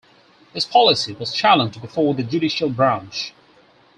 This policy was challenged before the Judicial branch.